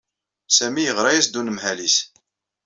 Sami yeɣra-as-d unemhal-is.